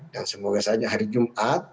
dan semoga saja hari jumat